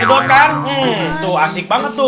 yaudah kalau kayak gitu